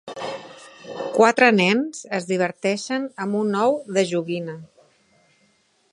Quatre nens es diverteixen amb un ou de joguina.